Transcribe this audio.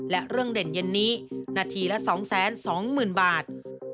และเรื่องเด่นเย็นนี้นาทีละ๒๒๐๐๐บาท